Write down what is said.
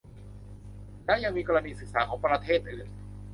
แล้วยังมีกรณีศึกษาของประเทศอื่น